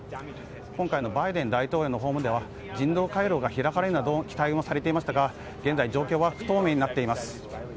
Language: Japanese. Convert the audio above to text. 今回のバイデン大統領の訪問では人道回廊が開かれるなど期待もされていましたが現在、状況は不透明になっています。